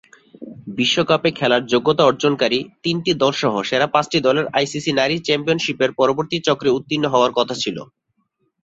বিশ্বকাপে খেলার যোগ্যতা অর্জনকারী তিনটি দলসহ সেরা পাঁচটি দলের আইসিসি নারী চ্যাম্পিয়নশিপের পরবর্তী চক্রে উত্তীর্ণ হওয়ার কথা ছিল।